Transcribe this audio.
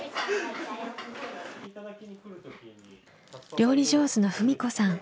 料理上手の文子さん。